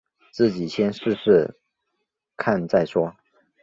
自己先试试看再说